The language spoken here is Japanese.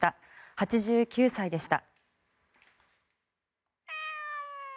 ８９歳でした。